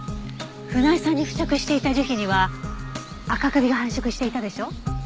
船井さんに付着していた樹皮にはアカカビが繁殖していたでしょ。